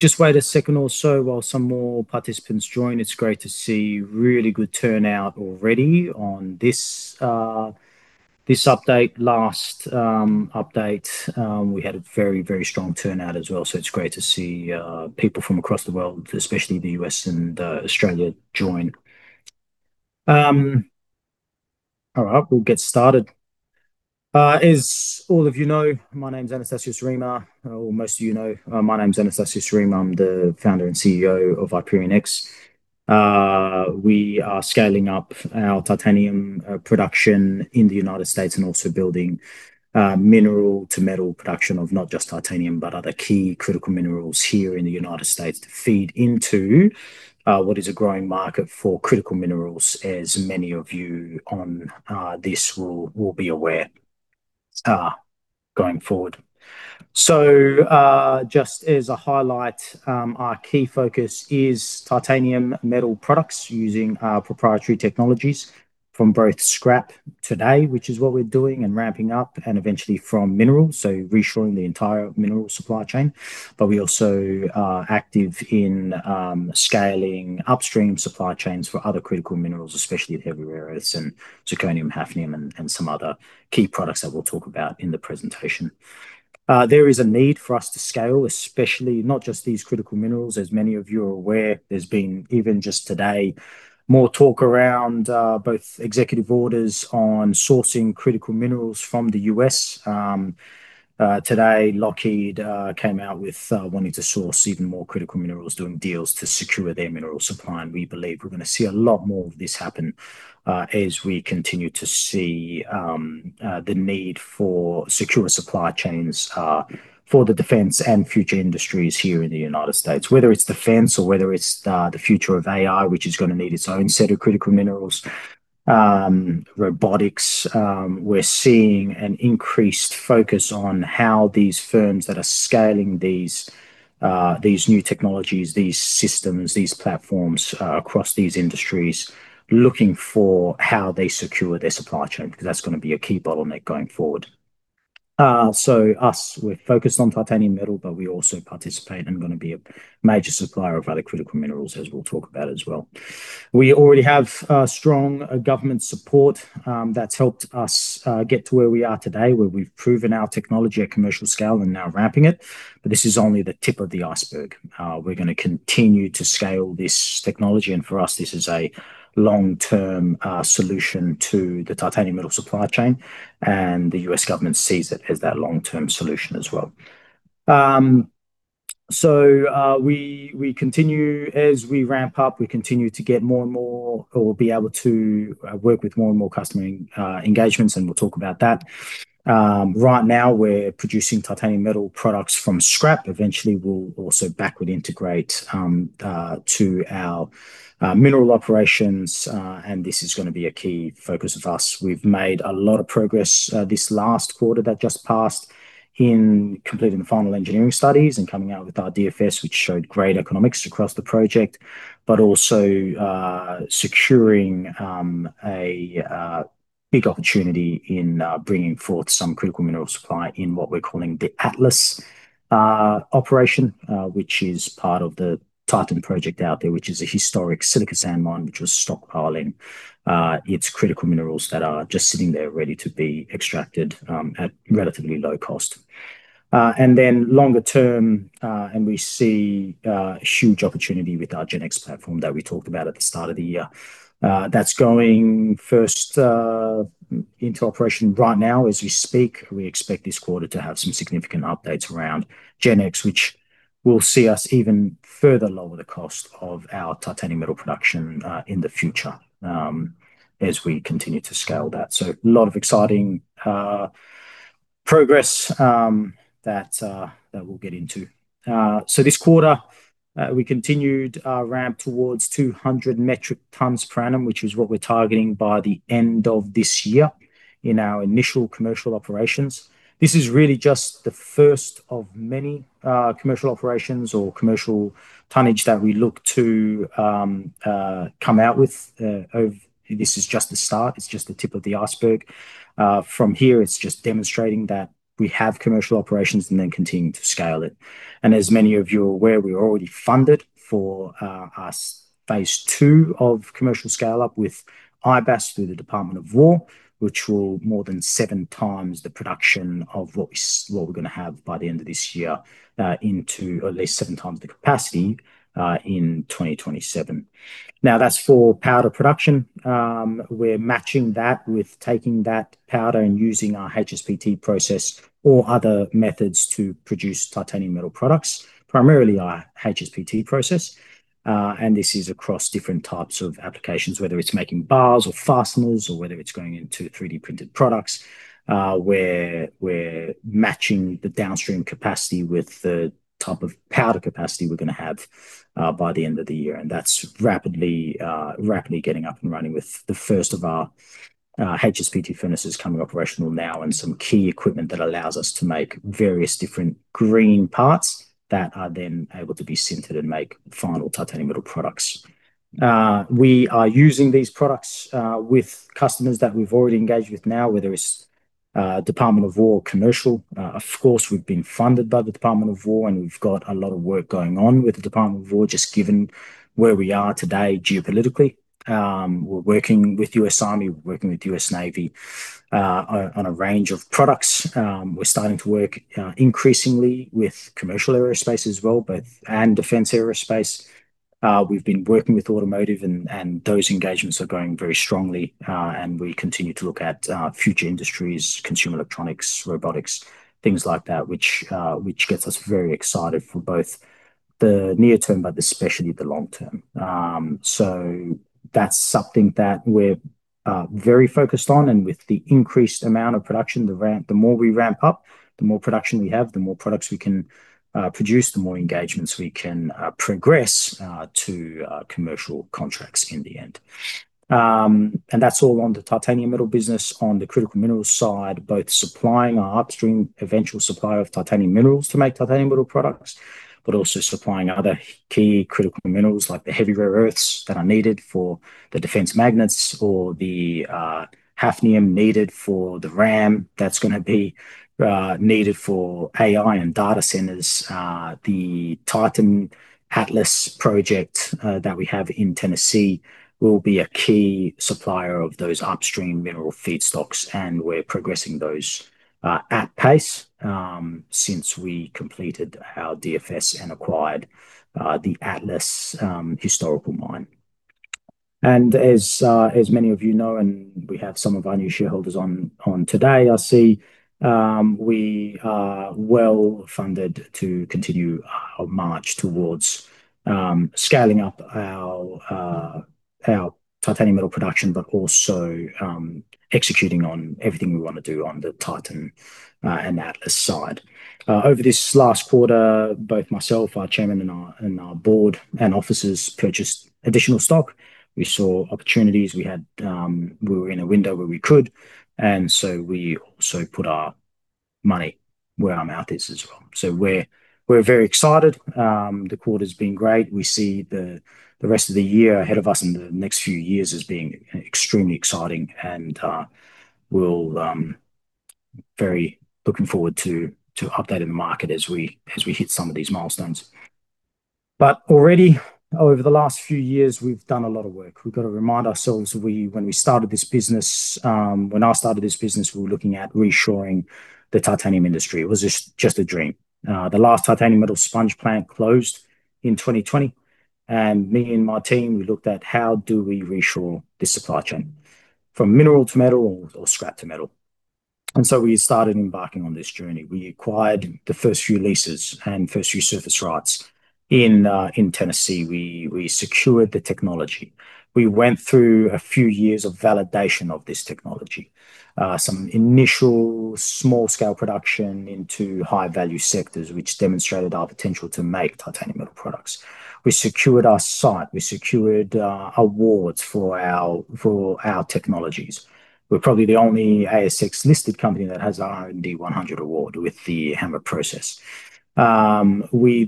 Just wait a second or so while some more participants join. It's great to see really good turnout already on this update. Last update, we had a very, very strong turnout as well, so it's great to see people from across the world, especially the U.S. and Australia join. All right, we'll get started. As all of you know, my name's Anastasios (Taso) Arima. Most of you know, my name's Anastasios (Taso) Arima. I'm the Founder and CEO of IperionX. We are scaling up our titanium production in the U.S. and also building mineral to metal production of not just titanium, but other key critical minerals here in the U.S. to feed into what is a growing market for critical minerals, as many of you on this will be aware going forward. Just as a highlight, our key focus is titanium metal products using proprietary technologies from both scrap today, which is what we're doing, and ramping up and eventually from minerals, so reshoring the entire mineral supply chain. We also are active in scaling upstream supply chains for other critical minerals, especially the heavy rare earths and zirconium, hafnium and some other key products that we'll talk about in the presentation. There is a need for us to scale, especially not just these critical minerals. As many of you are aware, there's been, even just today, more talk around both executive orders on sourcing critical minerals from the U.S. Today, Lockheed Martin came out with wanting to source even more critical minerals, doing deals to secure their mineral supply, and we believe we're going to see a lot more of this happen as we continue to see the need for secure supply chains for the defense and future industries here in the U.S. Whether it's defense or whether it's the future of AI, which is going to need its own set of critical minerals. Robotics. We're seeing an increased focus on how these firms that are scaling these new technologies, these systems, these platforms, across these industries, looking for how they secure their supply chain, because that's going to be a key bottleneck going forward. Us, we're focused on titanium metal, but we also participate and are going to be a major supplier of other critical minerals, as we'll talk about as well. We already have strong government support that's helped us get to where we are today, where we've proven our technology at commercial scale and now ramping it, but this is only the tip of the iceberg. We're going to continue to scale this technology, and for us, this is a long-term solution to the titanium metal supply chain, and the U.S. government sees it as that long-term solution as well. We continue, as we ramp up, we continue to get more and more. We will be able to work with more and more customer engagements, and we'll talk about that. Right now we're producing titanium metal products from scrap. Eventually we'll also backward integrate to our mineral operations, and this is going to be a key focus of us. We've made a lot of progress this last quarter that just passed in completing the final engineering studies and coming out with our DFS, which showed great economics across the project, but also securing a big opportunity in bringing forth some critical mineral supply in what we're calling the Atlas operation, which is part of the Titan Project out there, which is a historic silica sand mine which was stockpiling its critical minerals that are just sitting there ready to be extracted at relatively low cost. Longer term, we see a huge opportunity with our GenX platform that we talked about at the start of the year. That's going first into operation right now as we speak. We expect this quarter to have some significant updates around GenX, which will see us even further lower the cost of our titanium metal production in the future as we continue to scale that. A lot of exciting progress that we'll get into. This quarter, we continued our ramp towards 200 metric tons per annum, which is what we're targeting by the end of this year in our initial commercial operations. This is really just the first of many commercial operations or commercial tonnage that we look to come out with. This is just the start. It's just the tip of the iceberg. From here, it's just demonstrating that we have commercial operations and then continuing to scale it. As many of you are aware, we're already funded for our phase 2 of commercial scale-up with IBAS through the Department of Defense, which will more than 7x the production of what we're going to have by the end of this year into at least 7x the capacity in 2027. Now that's for powder production. We're matching that with taking that powder and using our HSPT process or other methods to produce titanium metal products, primarily our HSPT process. This is across different types of applications, whether it's making bars or fasteners or whether it's going into 3D-printed products, where we're matching the downstream capacity with the type of powder capacity we're going to have by the end of the year. That's rapidly getting up and running with the first of our HSPT furnaces coming operational now and some key equipment that allows us to make various different green parts that are then able to be sintered and make final titanium metal products. We are using these products with customers that we've already engaged with now, whether it's Department of Defense commercial. Of course, we've been funded by the Department of Defense, and we've got a lot of work going on with the Department of Defense, just given where we are today geopolitically. We're working with US Army, we're working with US Navy on a range of products. We're starting to work increasingly with commercial aerospace as well, defense aerospace. We've been working with automotive, and those engagements are going very strongly. We continue to look at future industries, consumer electronics, robotics, things like that, which gets us very excited for both the near term, but especially the long term. That's something that we're very focused on. With the increased amount of production, the more we ramp up, the more production we have, the more products we can produce, the more engagements we can progress to commercial contracts in the end. That's all on the titanium metal business. On the critical minerals side, both supplying our upstream eventual supply of titanium minerals to make titanium metal products, but also supplying other key critical minerals like the heavy rare earths that are needed for the defense magnets, or the hafnium needed for the RAM that's going to be needed for AI and data centers. The Titan-Atlas project that we have in Tennessee will be a key supplier of those upstream mineral feedstocks, and we're progressing those at pace since we completed our DFS and acquired the Atlas historical mine. As many of you know, and we have some of our new shareholders on today, I see, we are well-funded to continue our march towards scaling up our titanium metal production, but also executing on everything we want to do on the Titan and Atlas side. Over this last quarter, both myself, our chairman and our board and officers purchased additional stock. We saw opportunities. We were in a window where we could. We also put our money where our mouth is as well. We're very excited. The quarter's been great. We see the rest of the year ahead of us and the next few years as being extremely exciting. We're very looking forward to updating the market as we hit some of these milestones. Already over the last few years, we've done a lot of work. We've got to remind ourselves, when we started this business, when I started this business, we were looking at reshoring the titanium industry. It was just a dream. The last titanium metal sponge plant closed in 2020. Me and my team, we looked at how do we reshore this supply chain from mineral to metal or scrap to metal. We started embarking on this journey. We acquired the first few leases and first few surface rights in Tennessee. We secured the technology. We went through a few years of validation of this technology. Some initial small-scale production into high-value sectors, which demonstrated our potential to make titanium metal products. We secured our site. We secured awards for our technologies. We're probably the only ASX-listed company that has an R&D 100 Award with the HAMR process. We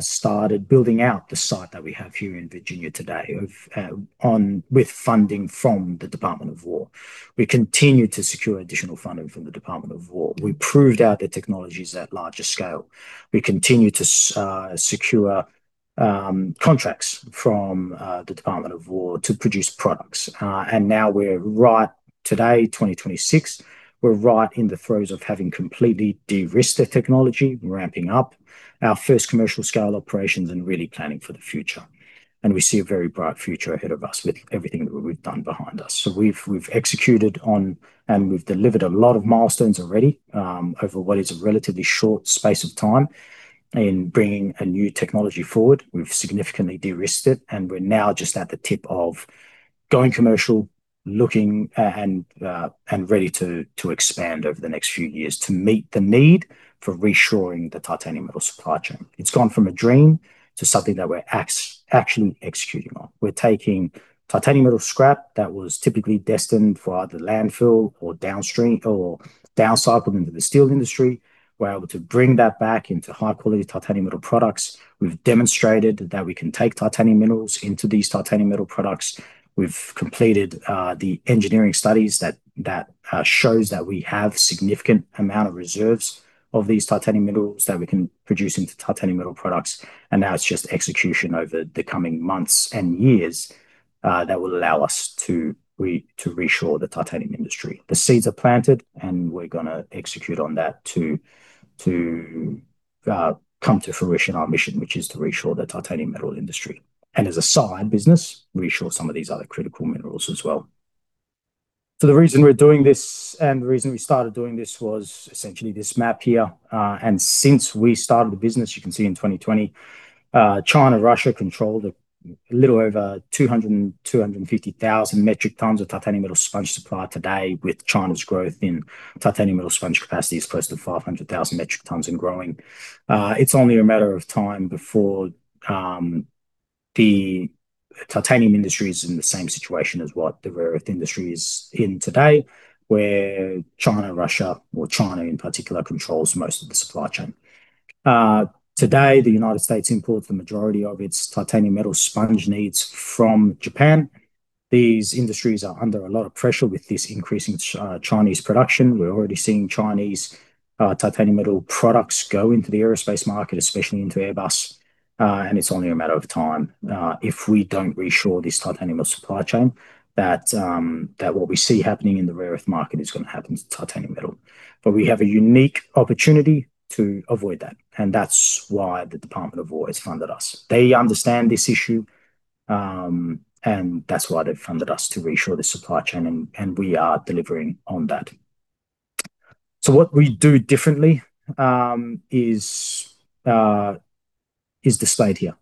started building out the site that we have here in Virginia today with funding from the Department of Defense. We continued to secure additional funding from the Department of Defense. We proved out the technologies at larger scale. We continued to secure contracts from the Department of Defense to produce products. Now we're right today, 2026, we're right in the throes of having completely de-risked the technology. We're ramping up our first commercial-scale operations and really planning for the future. We see a very bright future ahead of us with everything that we've done behind us. We've executed on and we've delivered a lot of milestones already, over what is a relatively short space of time in bringing a new technology forward. We've significantly de-risked it, we're now just at the tip of going commercial, looking and ready to expand over the next few years to meet the need for reshoring the titanium metal supply chain. It's gone from a dream to something that we're actually executing on. We're taking titanium metal scrap that was typically destined for either landfill or downcycled into the steel industry. We're able to bring that back into high-quality titanium metal products. We've demonstrated that we can take titanium minerals into these titanium metal products. We've completed the engineering studies that shows that we have significant amount of reserves of these titanium minerals that we can produce into titanium metal products. Now it's just execution over the coming months and years that will allow us to reshore the titanium industry. The seeds are planted, we're going to execute on that to come to fruition our mission, which is to reshore the titanium metal industry. As a side business, reshore some of these other critical minerals as well. The reason we're doing this, and the reason we started doing this was essentially this map here. Since we started the business, you can see in 2020, China, Russia controlled a little over 200,000-250,000 metric tons of titanium metal sponge supply. Today, with China's growth in titanium metal sponge capacity is close to 500,000 metric tons and growing. It's only a matter of time before the titanium industry is in the same situation as what the rare earth industry is in today, where China, Russia, or China in particular, controls most of the supply chain. Today, the United States imports the majority of its titanium metal sponge needs from Japan. These industries are under a lot of pressure with this increasing Chinese production. We're already seeing Chinese titanium metal products go into the aerospace market, especially into Airbus. It's only a matter of time, if we don't reshore this titanium metal supply chain, that what we see happening in the rare earth market is going to happen to titanium metal. We have a unique opportunity to avoid that, and that's why the Department of Defense has funded us. They understand this issue, and that's why they've funded us to reshore the supply chain, and we are delivering on that. What we do differently is displayed here.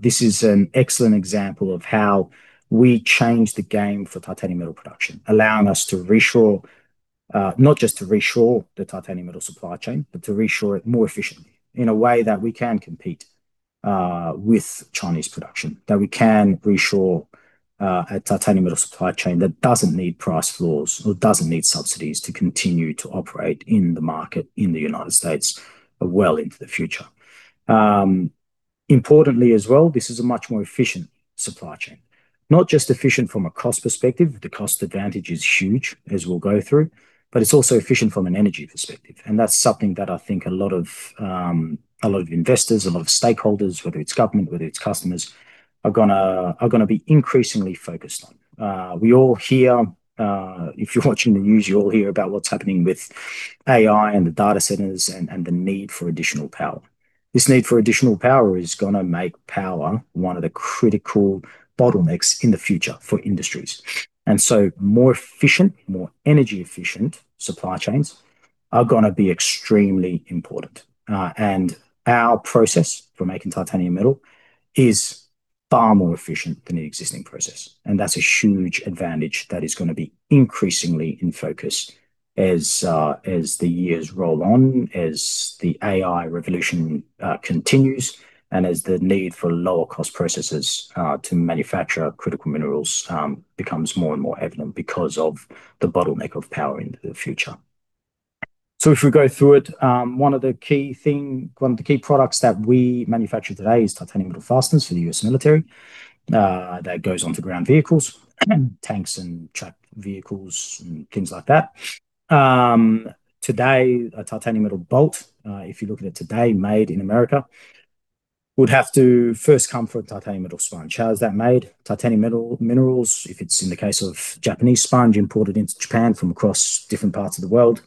This is an excellent example of how we change the game for titanium metal production, allowing us not just to reshore the titanium metal supply chain, but to reshore it more efficiently in a way that we can compete with Chinese production. That we can reshore a titanium metal supply chain that doesn't need price floors or doesn't need subsidies to continue to operate in the market in the United States well into the future. Importantly, as well, this is a much more efficient supply chain. Not just efficient from a cost perspective. The cost advantage is huge, as we'll go through. It's also efficient from an energy perspective, and that's something that I think a lot of investors, a lot of stakeholders, whether it's government, whether it's customers, are going to be increasingly focused on. We all hear, if you're watching the news, you all hear about what's happening with AI and the data centers and the need for additional power. This need for additional power is going to make power one of the critical bottlenecks in the future for industries. More efficient, more energy efficient supply chains are going to be extremely important. Our process for making titanium metal is far more efficient than the existing process, and that's a huge advantage that is going to be increasingly in focus as the years roll on, as the AI revolution continues, and as the need for lower cost processes to manufacture critical minerals becomes more and more evident because of the bottleneck of power into the future. If we go through it, one of the key products that we manufacture today is titanium metal fasteners for the U.S. military. That goes onto ground vehicles, tanks and truck vehicles and things like that. Today, a titanium metal bolt, if you're looking at today, made in America, would have to first come from a titanium metal sponge. How is that made? Titanium metal minerals, if it's in the case of Japanese sponge imported into Japan from across different parts of the world,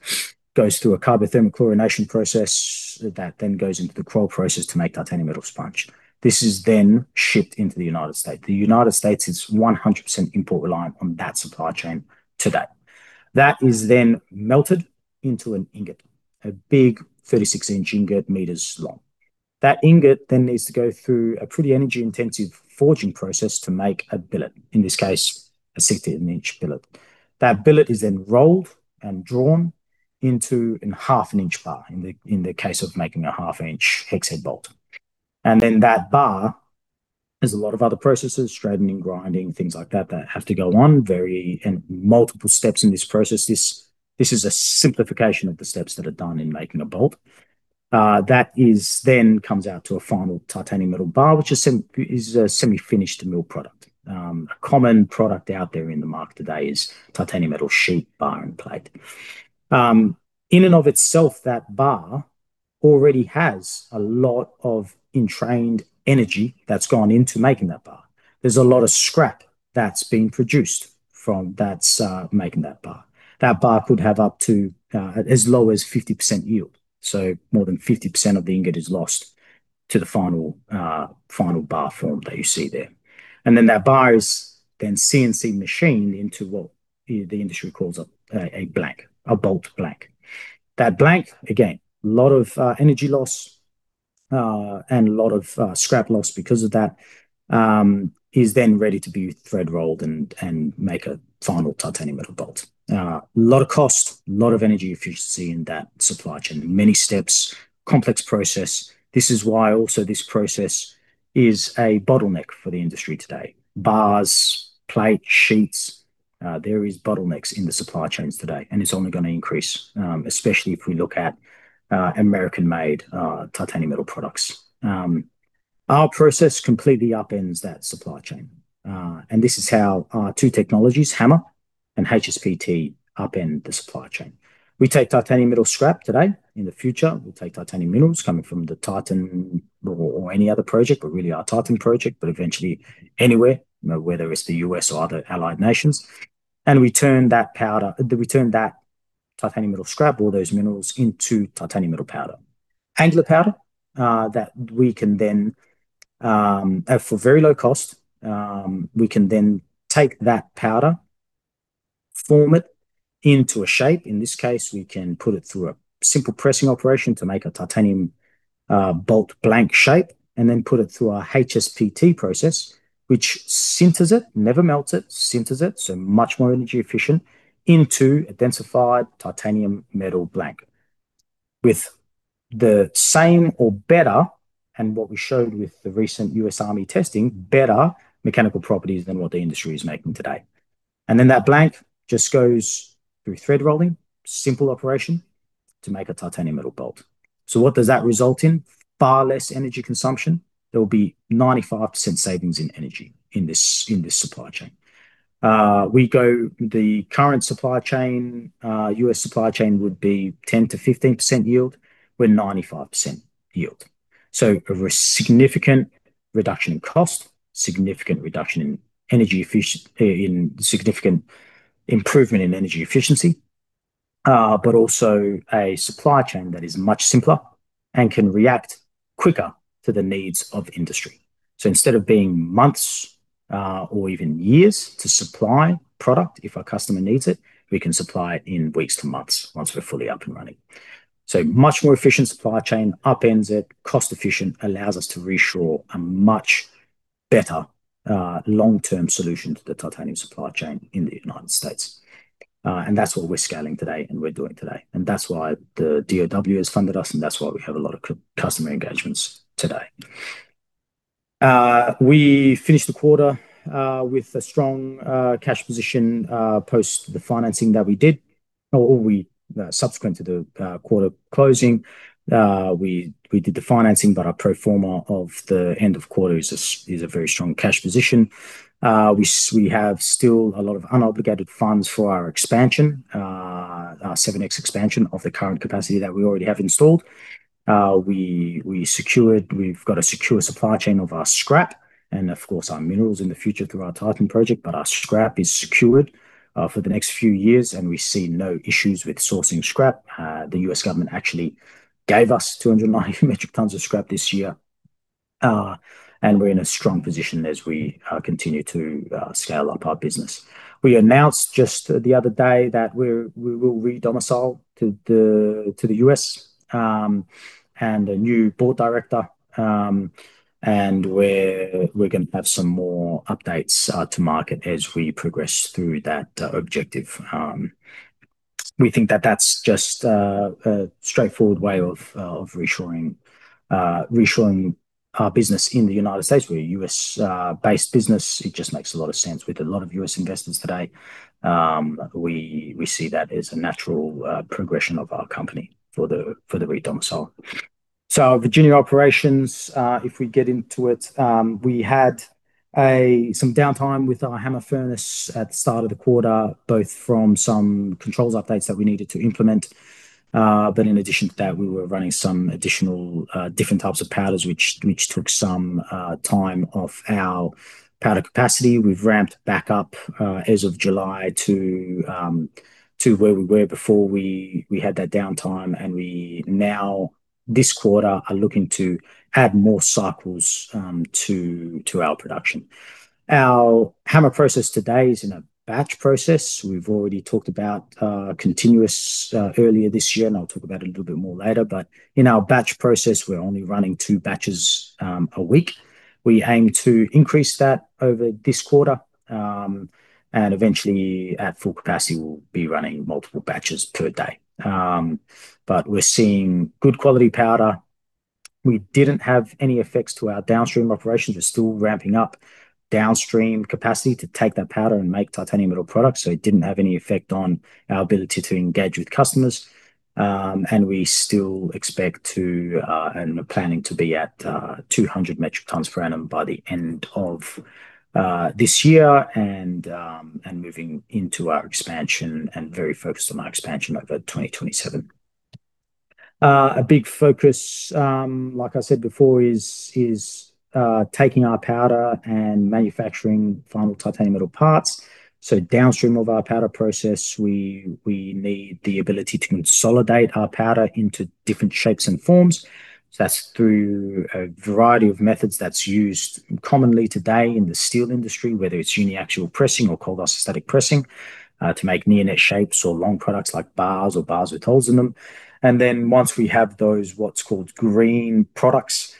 goes through a carbothermic chlorination process, that then goes into the Kroll process to make titanium metal sponge. This is then shipped into the United States. The United States is 100% import reliant on that supply chain today. That is then melted into an ingot, a big 36-inch ingot, meters long. That ingot then needs to go through a pretty energy-intensive forging process to make a billet. In this case, a 16-inch billet. That billet is then rolled and drawn into a half an inch bar, in the case of making a half-inch hex head bolt. That bar has a lot of other processes, straightening, grinding, things like that have to go on, and multiple steps in this process. This is a simplification of the steps that are done in making a bolt. That then comes out to a final titanium metal bar, which is a semi-finished mill product. A common product out there in the market today is titanium metal sheet, bar, and plate. In and of itself, that bar already has a lot of entrained energy that's gone into making that bar. There's a lot of scrap that's been produced from that making that bar. That bar could have up to as low as 50% yield. More than 50% of the ingot is lost to the final bar form that you see there. That bar is then CNC machined into what the industry calls a blank, a bolt blank. That blank, again, a lot of energy loss, and a lot of scrap loss because of that, is then ready to be thread rolled and make a final titanium metal bolt. A lot of cost, a lot of energy efficiency in that supply chain. Many steps, complex process. This is why also this process is a bottleneck for the industry today. Bars, plate, sheets, there is bottlenecks in the supply chains today, and it's only going to increase, especially if we look at American-made titanium metal products. Our process completely upends that supply chain. This is how our two technologies, HAMR and HSPT, upend the supply chain. We take titanium metal scrap today. In the future, we'll take titanium minerals coming from the Titan or any other project, but really our Titan Project, but eventually anywhere, whether it's the U.S. or other allied nations. We turn that titanium metal scrap or those minerals into titanium metal powder. Angular powder, that we can then, for very low cost, take that powder, form it into a shape. In this case, we can put it through a simple pressing operation to make a titanium bolt blank shape, and then put it through our HSPT process, which sinters it, never melts it, so much more energy efficient, into a densified titanium metal blank with the same or better, and what we showed with the recent U.S. Army testing, better mechanical properties than what the industry is making today. That blank just goes through thread rolling, simple operation, to make a titanium metal bolt. What does that result in? Far less energy consumption. There will be 95% savings in energy in this supply chain. The current supply chain, U.S. supply chain would be 10%-15% yield. We're 95% yield. A significant reduction in cost, significant improvement in energy efficiency, but also a supply chain that is much simpler and can react quicker to the needs of industry. Instead of being months or even years to supply product, if our customer needs it, we can supply it in weeks to months once we're fully up and running. Much more efficient supply chain, upends it, cost-efficient, allows us to reshore a much better long-term solution to the titanium supply chain in the United States. That's what we're scaling today and we're doing today. That's why the DoD has funded us, and that's why we have a lot of customer engagements today. We finished the quarter with a strong cash position, post the financing that we did, or subsequent to the quarter closing. We did the financing, but our pro forma of the end of quarter is a very strong cash position. We have still a lot of unobligated funds for our expansion, our 7x expansion of the current capacity that we already have installed. We've got a secure supply chain of our scrap and of course, our minerals in the future through our Titan Project, but our scrap is secured for the next few years, and we see no issues with sourcing scrap. The U.S. government actually gave us 290 metric tons of scrap this year. We're in a strong position as we continue to scale up our business. We announced just the other day that we will re-domicile to the U.S., a new board director, we're going to have some more updates to market as we progress through that objective. We think that that's just a straightforward way of reshoring our business in the United States. We're a U.S.-based business. It just makes a lot of sense. We've got a lot of U.S. investors today. We see that as a natural progression of our company for the re-domicile. Our Virginia operations, if we get into it, we had some downtime with our HAMR furnace at the start of the quarter, both from some controls updates that we needed to implement. In addition to that, we were running some additional different types of powders, which took some time off our powder capacity. We've ramped back up as of July to where we were before we had that downtime. We now this quarter are looking to add more cycles to our production. Our HAMR process today is in a batch process. We've already talked about continuous earlier this year. I'll talk about it a little bit more later, but in our batch process, we're only running two batches a week. We aim to increase that over this quarter. Eventually, at full capacity, we'll be running multiple batches per day. We're seeing good quality powder. We didn't have any effects to our downstream operations. We're still ramping up downstream capacity to take that powder and make titanium metal products. It didn't have any effect on our ability to engage with customers. We still expect to, and are planning to be at 200 metric tons per annum by the end of this year, moving into our expansion and very focused on our expansion over 2027. A big focus, like I said before, is taking our powder and manufacturing final titanium metal parts. Downstream of our powder process, we need the ability to consolidate our powder into different shapes and forms. That's through a variety of methods that's used commonly today in the steel industry, whether it's uniaxial pressing or cold isostatic pressing, to make near-net shapes or long products like bars or bars with holes in them. Once we have those what's called green products,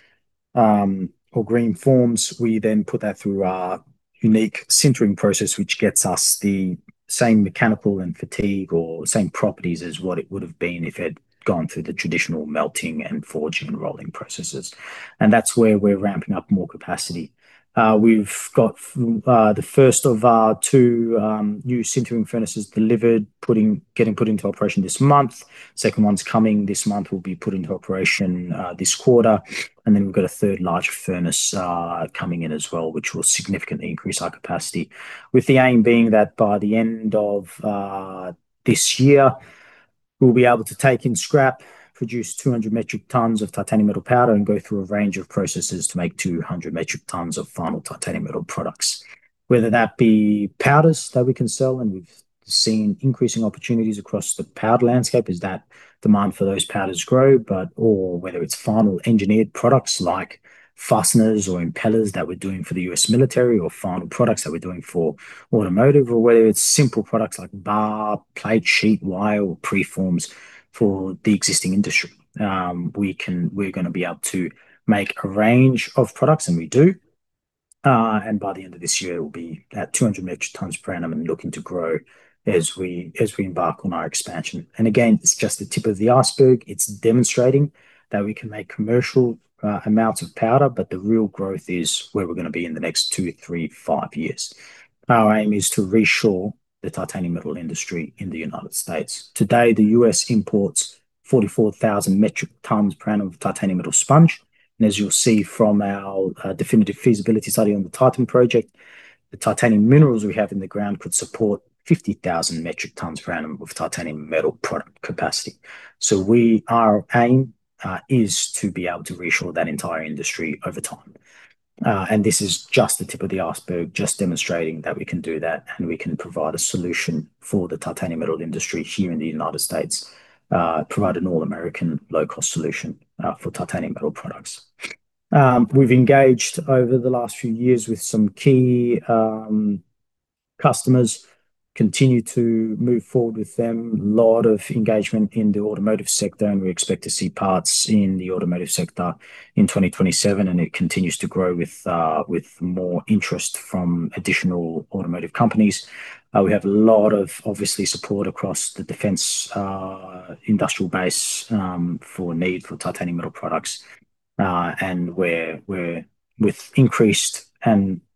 or green forms, we then put that through our unique sintering process, which gets us the same mechanical and fatigue or same properties as what it would have been if it had gone through the traditional melting and forging and rolling processes. That's where we're ramping up more capacity. We've got the first of our two new sintering furnaces delivered, getting put into operation this month. Second one's coming this month, will be put into operation this quarter. We've got a third large furnace coming in as well, which will significantly increase our capacity. With the aim being that by the end of this year, we'll be able to take in scrap, produce 200 metric tons of titanium metal powder, and go through a range of processes to make 200 metric tons of final titanium metal products. Whether that be powders that we can sell. We've seen increasing opportunities across the powder landscape as that demand for those powders grow. Whether it's final engineered products like fasteners or impellers that we're doing for the U.S. military or final products that we're doing for automotive or whether it's simple products like bar, plate, sheet, wire, or preforms for the existing industry. We're going to be able to make a range of products, and we do. By the end of this year, it will be at 200 metric tons per annum and looking to grow as we embark on our expansion. Again, it's just the tip of the iceberg. It's demonstrating that we can make commercial amounts of powder, but the real growth is where we're going to be in the next two, three, five years. Our aim is to reshore the titanium metal industry in the U.S. Today, the U.S. imports 44,000 metric tons per annum of titanium metal sponge, and as you'll see from our definitive feasibility study on the Titan Project, the titanium minerals we have in the ground could support 50,000 metric tons per annum of titanium metal product capacity. Our aim is to be able to reshore that entire industry over time. This is just the tip of the iceberg, just demonstrating that we can do that and we can provide a solution for the titanium metal industry here in the U.S., provide an all-American low-cost solution for titanium metal products. We've engaged over the last few years with some key customers, continue to move forward with them. A lot of engagement in the automotive sector. We expect to see parts in the automotive sector in 2027 and it continues to grow with more interest from additional automotive companies. We have a lot of, obviously, support across the defense industrial base for need for titanium metal products. With increased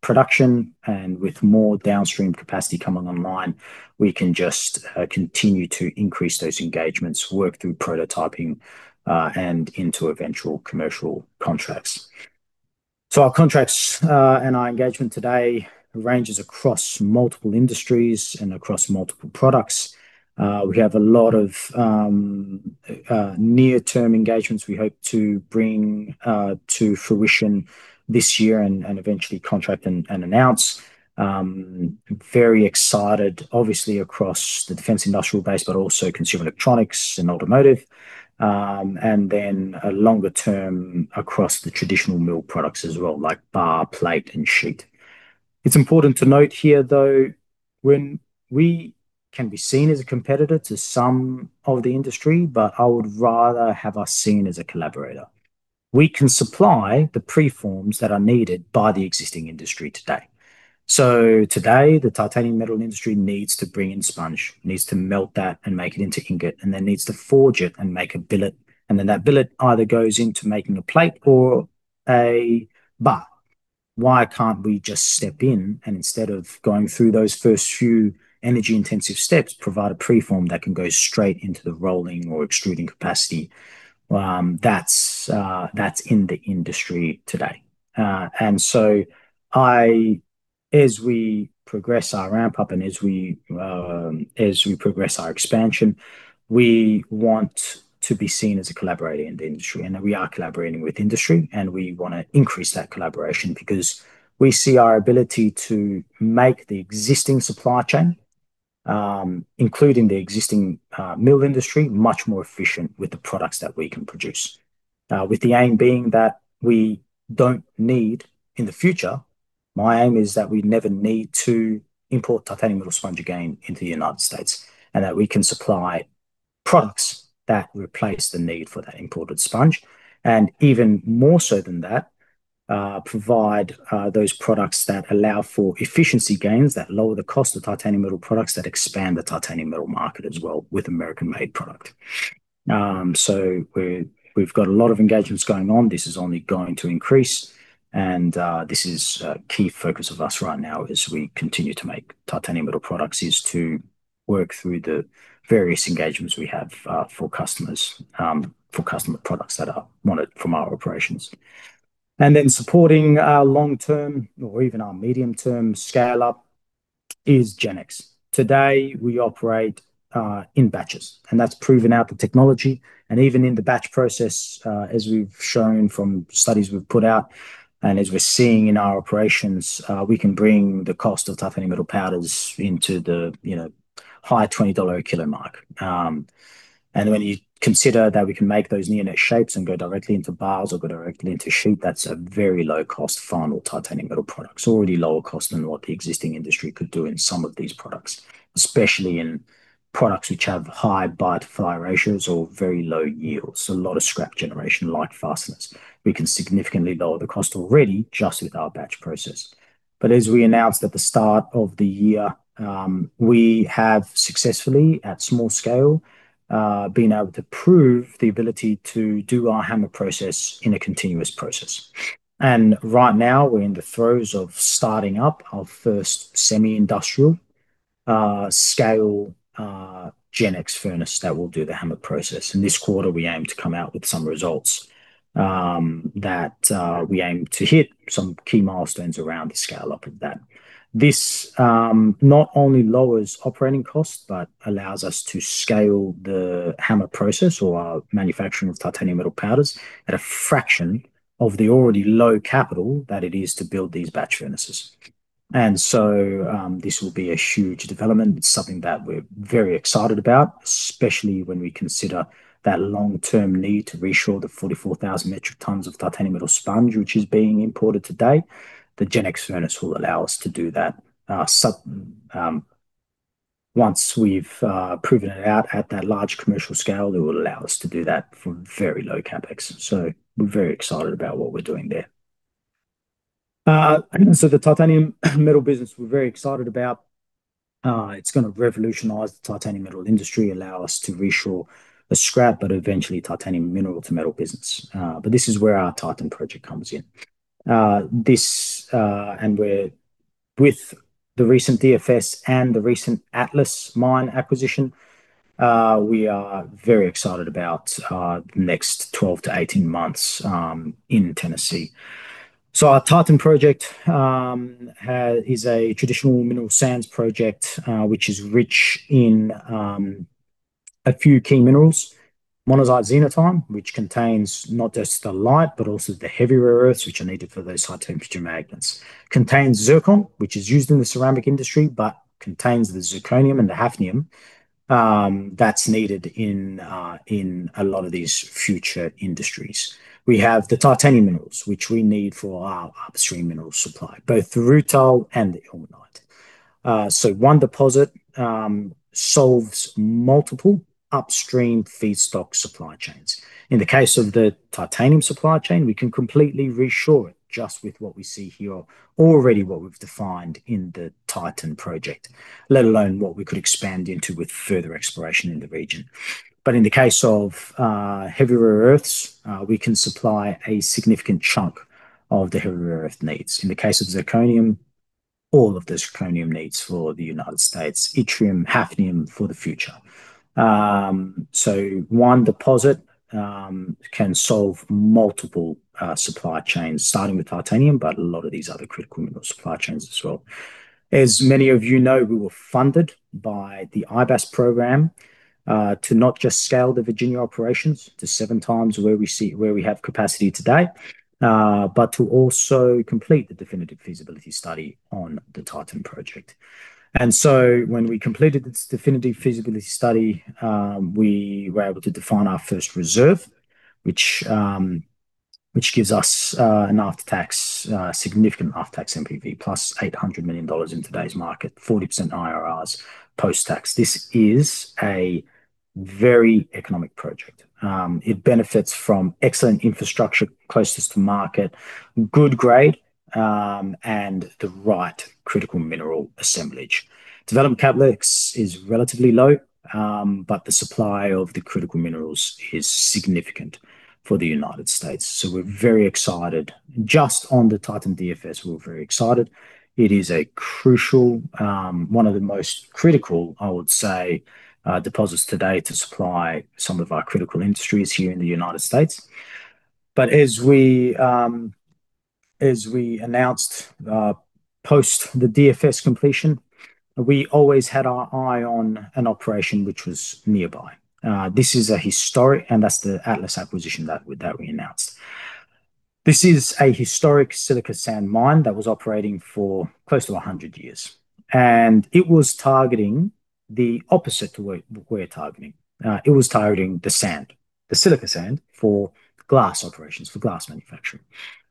production and with more downstream capacity coming online, we can just continue to increase those engagements, work through prototyping, and into eventual commercial contracts. Our contracts and our engagement today ranges across multiple industries and across multiple products. We have a lot of near-term engagements we hope to bring to fruition this year and eventually contract and announce. Very excited obviously across the defense industrial base, but also consumer electronics and automotive. Longer term across the traditional mill products as well, like bar, plate, and sheet. It's important to note here, though, when we can be seen as a competitor to some of the industry, I would rather have us seen as a collaborator. We can supply the preforms that are needed by the existing industry today. Today, the titanium metal industry needs to bring in sponge, needs to melt that and make it into ingot, and then needs to forge it and make a billet. That billet either goes into making a plate or a bar. Why can't we just step in and instead of going through those first few energy-intensive steps, provide a preform that can go straight into the rolling or extruding capacity? That's in the industry today. As we progress our ramp-up and as we progress our expansion, we want to be seen as a collaborator in the industry. We are collaborating with industry, and we want to increase that collaboration because we see our ability to make the existing supply chain, including the existing mill industry, much more efficient with the products that we can produce. With the aim being that we don't need in the future, my aim is that we never need to import titanium metal sponge again into the U.S., and that we can supply products that replace the need for that imported sponge. Even more so than that, provide those products that allow for efficiency gains, that lower the cost of titanium metal products, that expand the titanium metal market as well with American-made product. We've got a lot of engagements going on. This is only going to increase. This is a key focus of us right now as we continue to make titanium metal products, is to work through the various engagements we have for customers for customer products that are wanted from our operations. Supporting our long-term or even our medium-term scale-up is GenX. Today, we operate in batches, and that's proven out the technology. Even in the batch process, as we've shown from studies we've put out and as we're seeing in our operations, we can bring the cost of titanium metal powders into the high $20 a kilo mark. When you consider that we can make those near-net shapes and go directly into bars or go directly into sheet, that's a very low cost final titanium metal products. Already lower cost than what the existing industry could do in some of these products, especially in products which have high buy-to-fly ratios or very low yields, a lot of scrap generation like fasteners. We can significantly lower the cost already just with our batch process. As we announced at the start of the year, we have successfully, at small scale, been able to prove the ability to do our HAMR process in a continuous process. Right now, we're in the throes of starting up our first semi-industrial scale GenX furnace that will do the HAMR process. This quarter, we aim to come out with some results, that we aim to hit some key milestones around the scale-up of that. This not only lowers operating costs, but allows us to scale the HAMR process or our manufacturing of titanium metal powders at a fraction of the already low capital that it is to build these batch furnaces. This will be a huge development. It's something that we're very excited about, especially when we consider that long-term need to reshore the 44,000 metric tons of titanium metal sponge which is being imported today. The GenX furnace will allow us to do that. Once we've proven it out at that large commercial scale, it will allow us to do that for very low CapEx. We're very excited about what we're doing there. The titanium metal business, we're very excited about. It's going to revolutionize the titanium metal industry, allow us to reshore the scrap, eventually titanium mineral to metal business. This is where our Titan Project comes in. With the recent DFS and the recent Atlas mine acquisition, we are very excited about the next 12-18 months in Tennessee. Our Titan Project is a traditional mineral sands project, which is rich in a few key minerals. Monazite/xenotime, which contains not just the light but also the heavy rare earths, which are needed for those high-temperature magnets. Contains zircon, which is used in the ceramic industry, but contains the zirconium and the hafnium that's needed in a lot of these future industries. We have the titanium minerals, which we need for our upstream mineral supply, both the rutile and the ilmenite. One deposit solves multiple upstream feedstock supply chains. In the case of the titanium supply chain, we can completely reshore it just with what we see here already what we've defined in the Titan Project, let alone what we could expand into with further exploration in the region. In the case of heavy rare earths, we can supply a significant chunk of the heavy rare earth needs. In the case of zirconium, all of the zirconium needs for the United States, yttrium, hafnium for the future. One deposit can solve multiple supply chains, starting with titanium, a lot of these other critical mineral supply chains as well. As many of you know, we were funded by the IBAS program to not just scale the Virginia operations to 7x where we have capacity today, to also complete the definitive feasibility study on the Titan Project. When we completed this definitive feasibility study, we were able to define our first reserve, which gives us a significant after-tax NPV plus $800 million in today's market, 40% IRRs post-tax. This is a very economic project. It benefits from excellent infrastructure closest to market, good grade, and the right critical mineral assemblage. Development CapEx is relatively low, the supply of the critical minerals is significant for the United States. We're very excited. Just on the Titan DFS, we're very excited. It is a crucial, one of the most critical, I would say, deposits today to supply some of our critical industries here in the United States. As we announced post the DFS completion, we always had our eye on an operation which was nearby. That's the Atlas acquisition that we announced. This is a historic silica sand mine that was operating for close to 100 years, and it was targeting the opposite to what we're targeting. It was targeting the sand, the silica sand for glass operations, for glass manufacturing.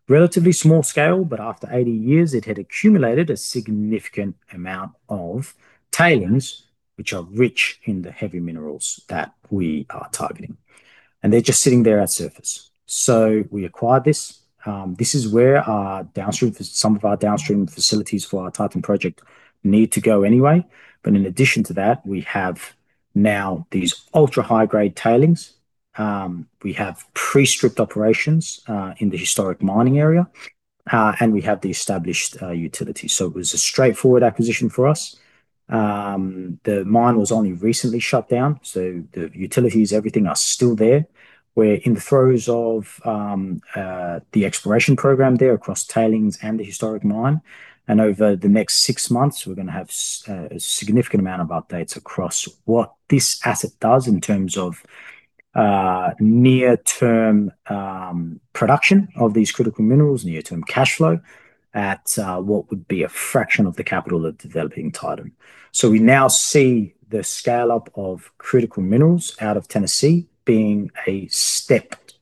Relatively small scale, after 80 years, it had accumulated a significant amount of tailings, which are rich in the heavy minerals that we are targeting. They're just sitting there at surface. We acquired this. This is where some of our downstream facilities for our Titan Project need to go anyway. In addition to that, we have now these ultra-high-grade tailings. We have pre-stripped operations in the historic mining area, and we have the established utilities. It was a straightforward acquisition for us. The mine was only recently shut down, the utilities, everything are still there. We're in the throes of the exploration program there across tailings and the historic mine. Over the next six months, we're going to have a significant amount of updates across what this asset does in terms of near-term production of these critical minerals, near-term cash flow at what would be a fraction of the capital of developing Titan. We now see the scale-up of critical minerals out of Tennessee being a stepped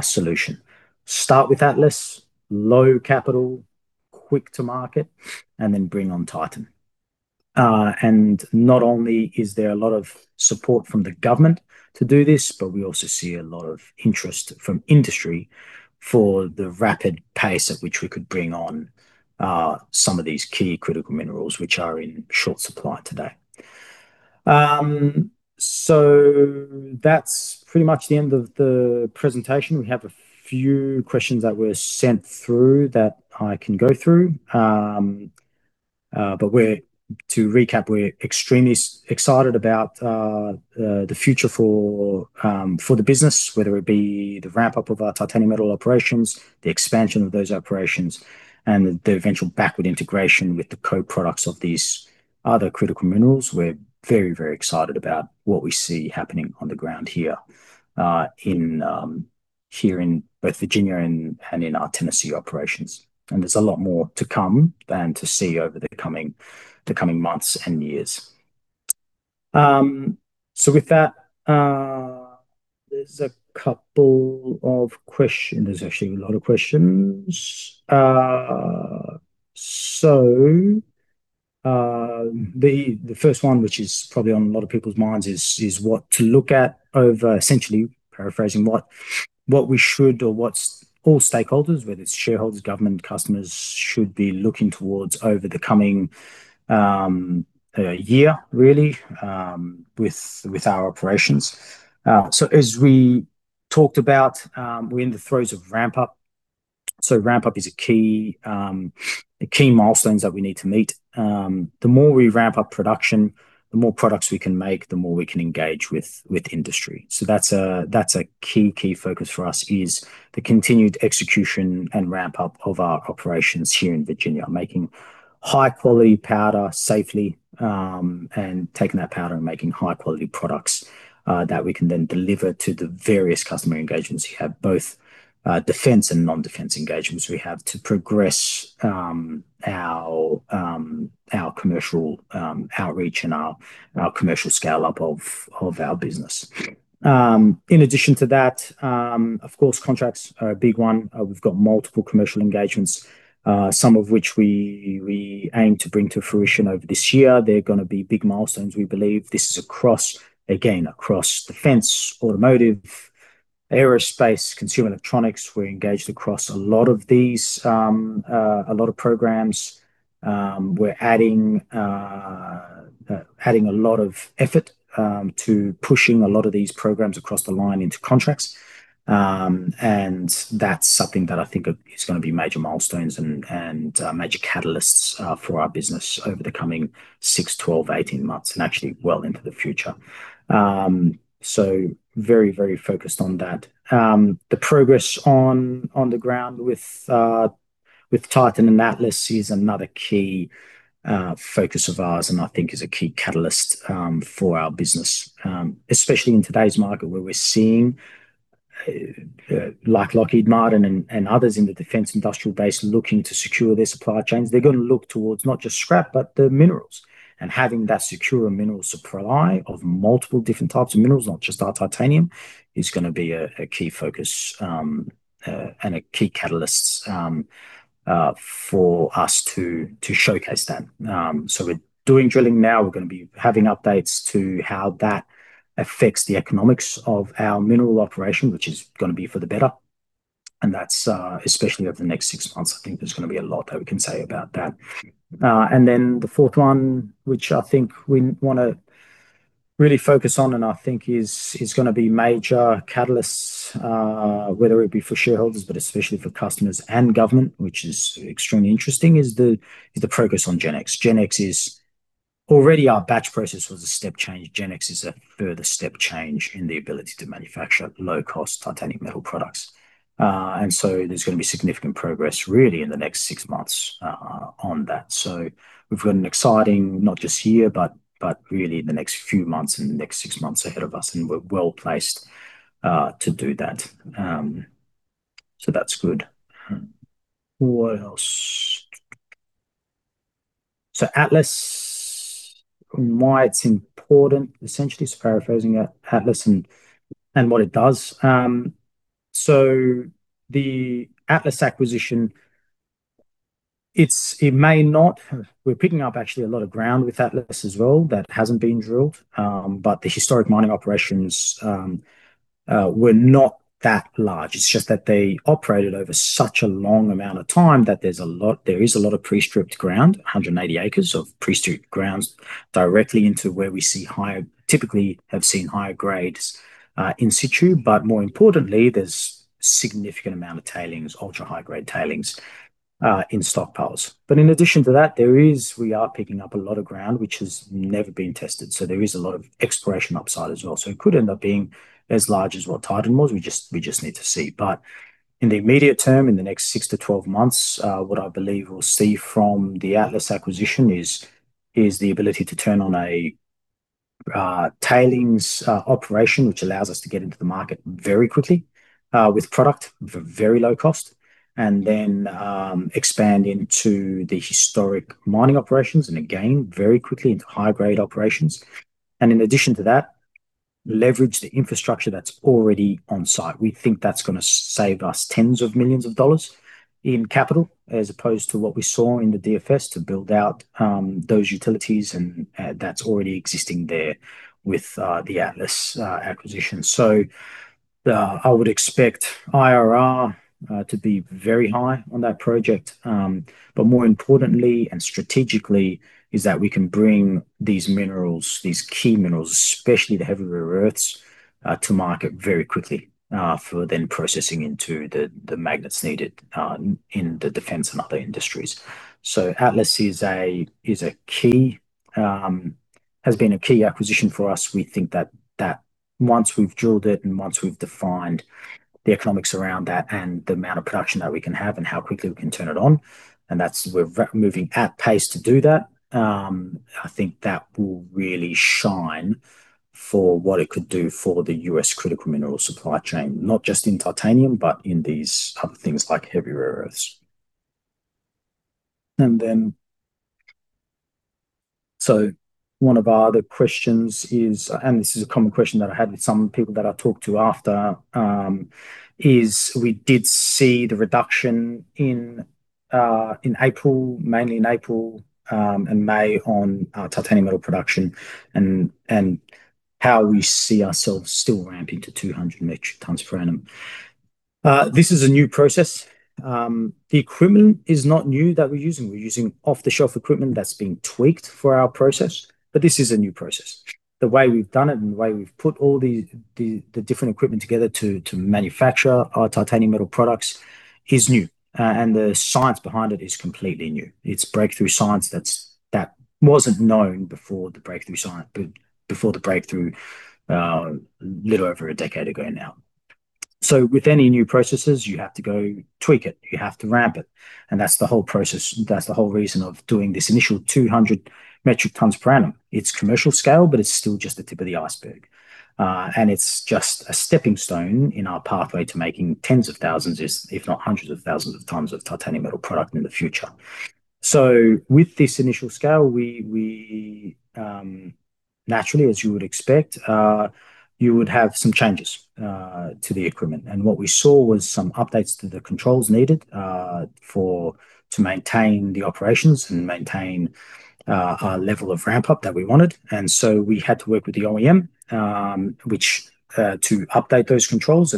solution. Start with Atlas, low capital, quick to market, then bring on Titan. Not only is there a lot of support from the government to do this, we also see a lot of interest from industry for the rapid pace at which we could bring on some of these key critical minerals, which are in short supply today. That's pretty much the end of the presentation. We have a few questions that were sent through that I can go through. To recap, we're extremely excited about the future for the business, whether it be the ramp-up of our titanium metal operations, the expansion of those operations, and the eventual backward integration with the co-products of these other critical minerals. We're very excited about what we see happening on the ground here in both Virginia and in our Tennessee operations. There's a lot more to come than to see over the coming months and years. With that, there's a couple of questions. There's actually a lot of questions. The first one, which is probably on a lot of people's minds, is what to look at over essentially, paraphrasing, what we should or what all stakeholders, whether it's shareholders, government, customers, should be looking towards over the coming year really, with our operations. As we talked about, we're in the throes of ramp-up. Ramp-up is a key milestones that we need to meet. The more we ramp up production, the more products we can make, the more we can engage with industry. That's a key focus for us is the continued execution and ramp-up of our operations here in Virginia. Making high-quality powder safely, and taking that powder and making high-quality products that we can then deliver to the various customer engagements. We have both defense and non-defense engagements we have to progress our commercial outreach and our commercial scale-up of our business. In addition to that, of course, contracts are a big one. We've got multiple commercial engagements, some of which we aim to bring to fruition over this year. They're going to be big milestones, we believe. This is, again, across defense, automotive, aerospace, consumer electronics. We're engaged across a lot of these, a lot of programs. We're adding a lot of effort to pushing a lot of these programs across the line into contracts. That's something that I think is going to be major milestones and major catalysts for our business over the coming six, 12, 18 months and actually well into the future. Very, very focused on that. The progress on the ground with Titan and Atlas is another key focus of ours, and I think is a key catalyst for our business. Especially in today's market, where we're seeing Lockheed Martin and others in the defense industrial base looking to secure their supply chains. They're going to look towards not just scrap, but the minerals. Having that secure minerals supply of multiple different types of minerals, not just our titanium, is going to be a key focus, and a key catalyst for us to showcase that. We're doing drilling now. We're going to be having updates to how that affects the economics of our mineral operation, which is going to be for the better. That's especially over the next six months, I think there's going to be a lot that we can say about that. Then the fourth one, which I think we want to really focus on and I think is going to be major catalysts, whether it be for shareholders, but especially for customers and government, which is extremely interesting, is the progress on GenX. GenX is already our batch process was a step change. GenX is a further step change in the ability to manufacture low-cost titanium metal products. There's going to be significant progress really in the next six months on that. We've got an exciting, not just year, but really in the next few months and the next six months ahead of us, and we're well-placed to do that. That's good. Atlas, why it's important. Essentially just paraphrasing Atlas and what it does. The Atlas acquisition, we're picking up actually a lot of ground with Atlas as well that hasn't been drilled. The historic mining operations were not that large. It's just that they operated over such a long amount of time that there is a lot of pre-stripped ground, 180 acres of pre-stripped grounds directly into where we typically have seen higher grades in situ, but more importantly, there's significant amount of tailings, ultra-high grade tailings in stockpiles. In addition to that, we are picking up a lot of ground, which has never been tested. There is a lot of exploration upside as well. It could end up being as large as what Titan was. We just need to see. In the immediate term, in the next six to 12 months, what I believe we'll see from the Atlas acquisition is the ability to turn on a tailings operation, which allows us to get into the market very quickly, with product for very low cost. Expand into the historic mining operations and again, very quickly into high-grade operations. In addition to that, leverage the infrastructure that's already on site. We think that's going to save us tens of millions of dollars in capital as opposed to what we saw in the DFS to build out those utilities and that's already existing there with the Atlas acquisition. I would expect IRR to be very high on that project. More importantly and strategically, is that we can bring these minerals, these key minerals, especially the heavy rare earths, to market very quickly, for then processing into the magnets needed in the defense and other industries. Atlas has been a key acquisition for us. We think that once we've drilled it and once we've defined the economics around that and the amount of production that we can have and how quickly we can turn it on, and we're moving at pace to do that. I think that will really shine for what it could do for the U.S. critical mineral supply chain, not just in titanium, but in these other things like heavy rare earths. One of our other questions is, and this is a common question that I had with some people that I talked to after, is we did see the reduction in April, mainly in April and May, on titanium metal production, and how we see ourselves still ramping to 200 metric tons per annum. This is a new process. The equipment is not new that we're using. We're using off-the-shelf equipment that's been tweaked for our process. This is a new process. The way we've done it and the way we've put all the different equipment together to manufacture our titanium metal products is new. The science behind it is completely new. It's breakthrough science that wasn't known before the breakthrough, little over a decade ago now. With any new processes, you have to go tweak it. You have to ramp it. That's the whole process, that's the whole reason of doing this initial 200 metric tons per annum. It's commercial scale, but it's still just the tip of the iceberg. It's just a stepping stone in our pathway to making tens of thousands, if not hundreds of thousands, of tons of titanium metal product in the future. With this initial scale, naturally, as you would expect, you would have some changes to the equipment. What we saw was some updates to the controls needed, to maintain the operations and maintain our level of ramp-up that we wanted. We had to work with the OEM, to update those controls.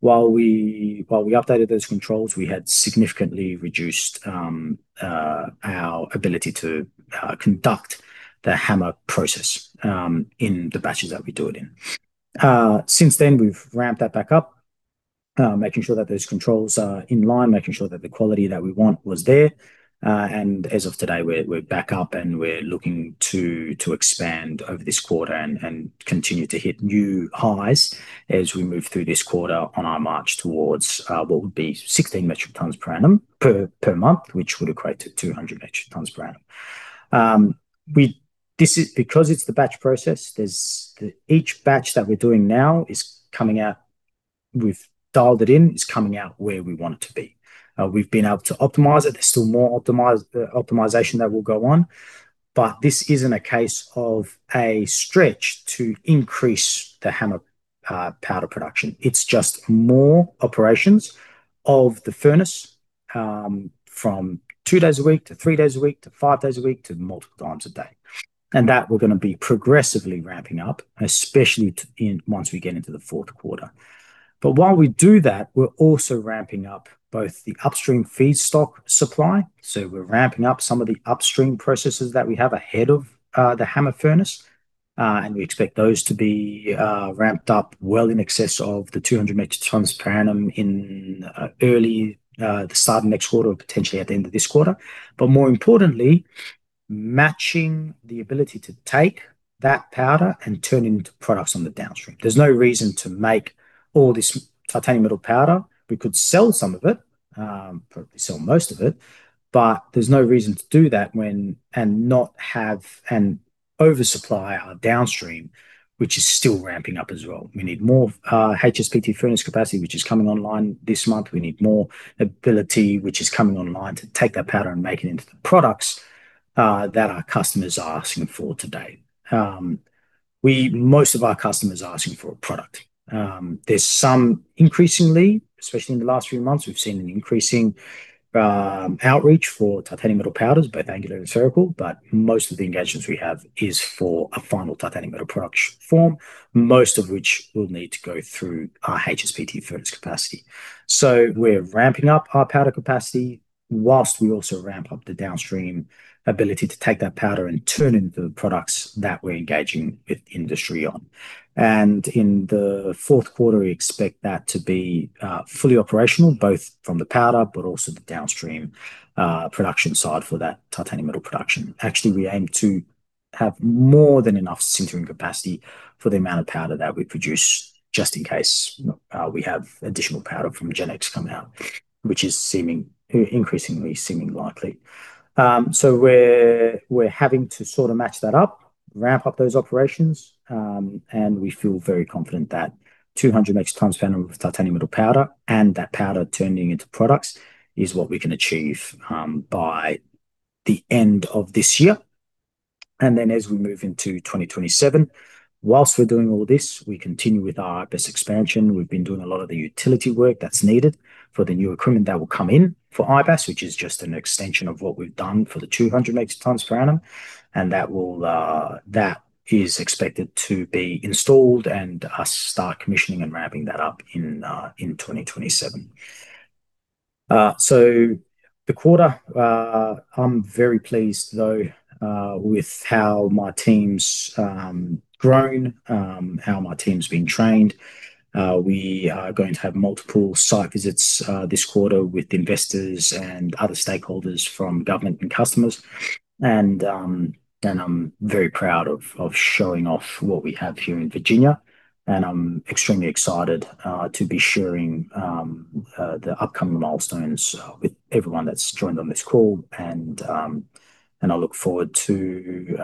While we updated those controls, we had significantly reduced our ability to conduct the HAMR process in the batches that we do it in. Since then, we've ramped that back up, making sure that those controls are in line, making sure that the quality that we want was there. As of today, we're back up. We're looking to expand over this quarter and continue to hit new highs as we move through this quarter on our march towards what would be 16 metric tons per annum per month, which would equate to 200 metric tons per annum. Because it's the batch process, each batch that we're doing now, we've dialed it in, it's coming out where we want it to be. We've been able to optimize it. There's still more optimization that will go on. This isn't a case of a stretch to increase the HAMR powder production. It's just more operations of the furnace, from two days a week to three days a week, to five days a week, to multiple times a day. That we're going to be progressively ramping up, especially once we get into the fourth quarter. While we do that, we're also ramping up both the upstream feedstock supply. We're ramping up some of the upstream processes that we have ahead of the HAMR furnace. We expect those to be ramped up well in excess of the 200 metric tons per annum in early the start of next quarter or potentially at the end of this quarter. More importantly, matching the ability to take that powder and turn it into products on the downstream. There's no reason to make all this titanium metal powder. We could sell some of it, probably sell most of it, but there's no reason to do that and oversupply our downstream, which is still ramping up as well. We need more HSPT furnace capacity, which is coming online this month. We need more ability, which is coming online, to take that powder and make it into the products that our customers are asking for today. Most of our customers are asking for a product. There's some increasingly, especially in the last few months, we've seen an increasing outreach for titanium metal powders, both angular and spherical. Most of the engagements we have is for a final titanium metal product form, most of which will need to go through our HSPT furnace capacity. We're ramping up our powder capacity whilst we also ramp up the downstream ability to take that powder and turn it into products that we're engaging with industry on. In the fourth quarter, we expect that to be fully operational, both from the powder, but also the downstream production side for that titanium metal production. Actually, we aim to have more than enough sintering capacity for the amount of powder that we produce, just in case we have additional powder from GenX come out, which is increasingly seeming likely. We're having to sort of match that up, ramp up those operations, and we feel very confident that 200 metric tons titanium metal powder and that powder turning into products is what we can achieve by the end of this year. As we move into 2027, whilst we're doing all this, we continue with our IBAS expansion. We've been doing a lot of the utility work that's needed for the new equipment that will come in for IBAS, which is just an extension of what we've done for the 200 metric tons per annum. That is expected to be installed and us start commissioning and ramping that up in 2027. The quarter, I'm very pleased though with how my team's grown, how my team's been trained. We are going to have multiple site visits this quarter with investors and other stakeholders from government and customers. I'm very proud of showing off what we have here in Virginia. I'm extremely excited to be sharing the upcoming milestones with everyone that's joined on this call, and I look forward to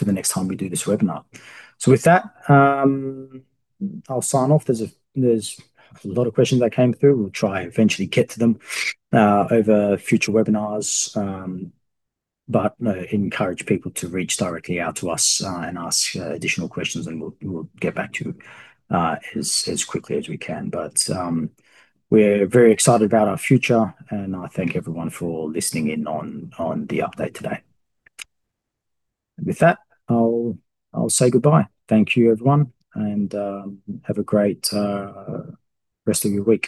the next time we do this webinar. With that, I'll sign off. There's a lot of questions that came through. We'll try eventually get to them over future webinars. Encourage people to reach directly out to us and ask additional questions, and we'll get back to you as quickly as we can. We're very excited about our future, and I thank everyone for listening in on the update today. With that, I'll say goodbye. Thank you, everyone, and have a great rest of your week